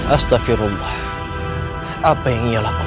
astafirullah apa yang ia lakukan